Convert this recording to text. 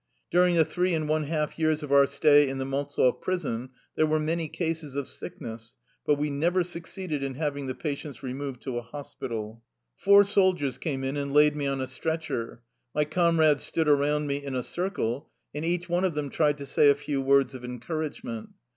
During the three and one half years of our stay in the Maltzev prison there were many cases of sickness, but we never succeeded in having the patients removed to a hospital. Four soldiers came in, and laid me on a stretcher. My comrades stood around me in a circle, and each one of them tried to say a few words of encouragement.